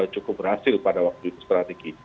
cukup berhasil pada waktu itu strategi